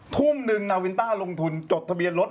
ทุ่มหนึ่งนาวินต้าลงทุนจดทะเบียนรถ